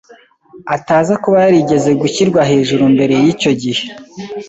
ataza kuba yarigeze gushyirwa hejuru mbere y’icyo gihe.